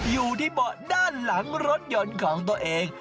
อยู่ที่เบาะด้านหลังรถยนต์ของตัวเอง